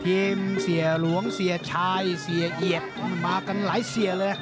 เสียหลวงเสียชายเสียเอียดมากันหลายเสียเลย